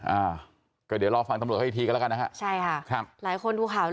อ่าเดี๋ยวรอฟังตำรวจให้อีกทีก็ละกันนะคะใช่ค่ะค่ะ